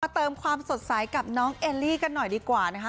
เติมความสดใสกับน้องเอลลี่กันหน่อยดีกว่านะคะ